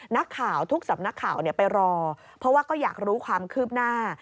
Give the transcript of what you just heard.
นักข่าวทุกสำนักข่าวไปรอเพราะว่าก็อยากรู้ความคืบหน้า